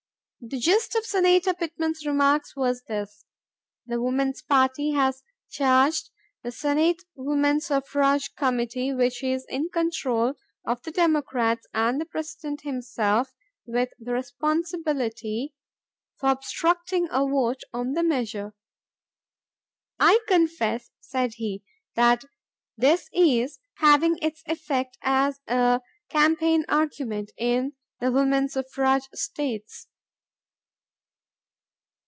The gist of Senator Pittman's remarks was this: The Woman's Party has charged the Senate Woman Suffrage Committee, which is in control of the Democrats, and the President himself, with the responsibility fob obstructing a vote on the measure. "I confess," said he, that this is "having its effect as a campaign argument" in the woman suffrage states.